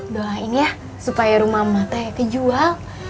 doain ya supaya rumah matanya kejual